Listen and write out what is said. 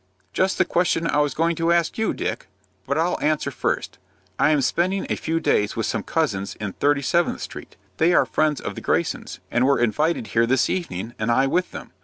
"Just the question I was going to ask you, Dick. But I'll answer first. I am spending a few days with some cousins in Thirty Seventh Street. They are friends of the Greysons, and were invited here this evening, and I with them.